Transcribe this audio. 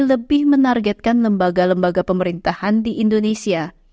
lebih menargetkan lembaga lembaga pemerintahan di indonesia